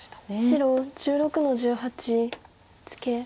白１６の十八ツケ。